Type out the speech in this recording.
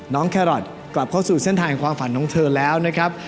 แครอทกลับเข้าสู่เส้นทางความฝันของเธอแล้วนะครับ